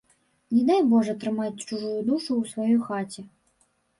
Не дай божа трымаць чужую душу ў сваёй хаце.